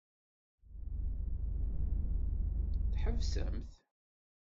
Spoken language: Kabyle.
Tḥebsemt.